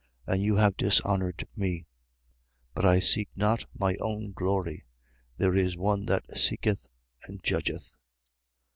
And you have dishonoured me. 8:50. But I seek not my own glory: there is one that seeketh and judgeth.